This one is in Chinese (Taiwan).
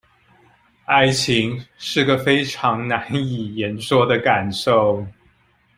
愛情是個非常難以言說的感受